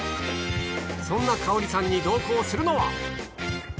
そんな華織さんに同行するのは。